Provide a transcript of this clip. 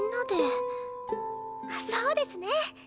そうですね。